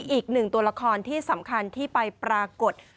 อีกหนึ่งตัวละครที่สำคัญที่ไปปรากฏ